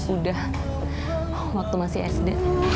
udah waktu masih sd